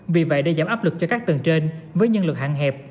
vì vậy để giảm áp lực cho các tầng trên với nhân lực hạn hẹp